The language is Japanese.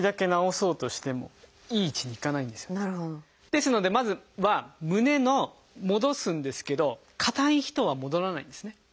ですのでまずは胸の戻すんですけど硬い人は戻らないんですね。